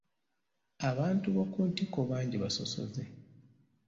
Abantu b'oku ntikko bangi basosoze.